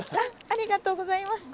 ありがとうございます。